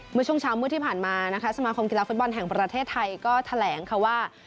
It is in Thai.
เมื่อช่วงเช้ามืดที่ผ่านมานะคะสมาคมกีฬาฟุตบอลแห่งประเทศไทยก็แถลงค่ะว่า